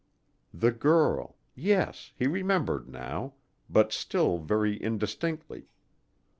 The girl yes, he remembered now, but still very indistinctly.